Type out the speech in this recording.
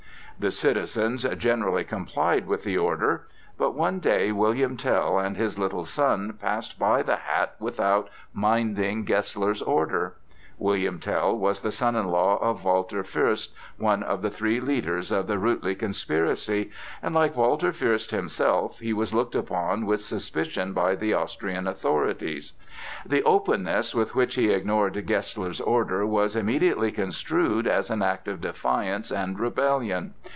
The citizens generally complied with the order. But one day William Tell and his little son passed by the hat without minding Gessler's order. William Tell was the son in law of Walter Fuerst, one of the three leaders of the Ruetli conspiracy, and, like Walter Fuerst himself, he was looked upon with suspicion by the Austrian authorities. The openness with which he ignored Gessler's order was immediately construed as an act of defiance and rebellion.